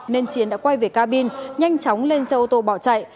nên chiến đã quay về cabin nhanh chóng lên xe ô tô bỏ chạy